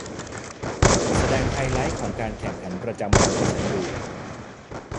แสดงไฮไลท์ของการแข่งขันประจำวันให้ฉันดู